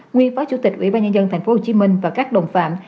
nguyên phó chủ tịch ủy ban nhân dân tp hcm và các đồng phạm